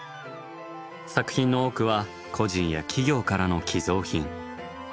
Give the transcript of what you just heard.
作品の多くは個人や企業からの寄贈品。